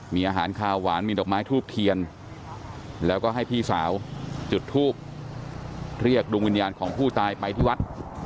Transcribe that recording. มีอาหารคาวหวานมีดอกไม้ทูบเทียนแล้วก็ให้พี่สาวจุดทูบเรียกดวงวิญญาณของผู้ตายไปที่วัด